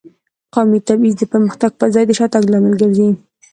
قومي تبعیض د پرمختګ په ځای د شاتګ لامل ګرځي.